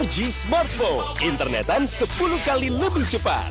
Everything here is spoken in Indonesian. g smartphone internetan sepuluh kali lebih cepat